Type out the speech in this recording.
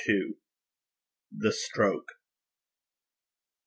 THE STROKE.